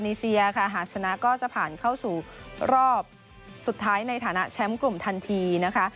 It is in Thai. เซียค่ะหากชนะก็จะผ่านเข้าสู่รอบสุดท้ายในฐานะแชมป์กลุ่มทันทีนะคะ